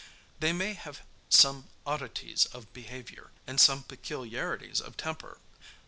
They may have some oddities of behavior, and some peculiarities of temper.